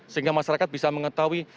sehingga masyarakat bisa mengetahui